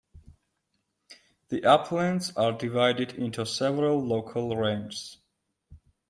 The Uplands are divided into several local ranges.